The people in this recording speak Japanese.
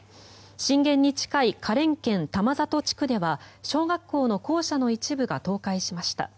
震源に近い花蓮県玉里地区では小学校の校舎の一部が倒壊しました。